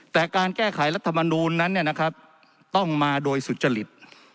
แต่การแก้ไขรัฐมนูลนั้นต้องมาโดยสุจริต